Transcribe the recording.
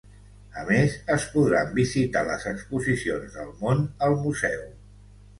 A més, es podran visitar les exposicions Del món al museu.